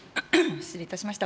失礼いたしました。